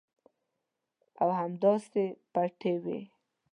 او همداسې پټې وي.